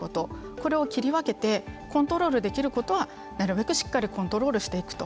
これを切り分けてコントロールできることはなるべくしっかりコントロールしていくと。